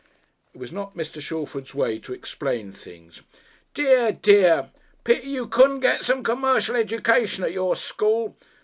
It was not Mr. Shalford's way to explain things. "Dear, dear! Pity you couldn't get some c'mercial education at your school.